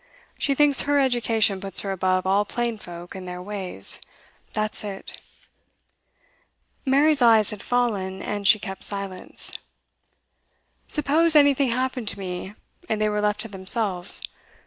She thinks her education puts her above all plain folk and their ways that's it.' Mary's eyes had fallen, and she kept silence. 'Suppose anything happened to me, and they were left to themselves.